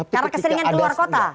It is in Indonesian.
karena keseringan keluar kota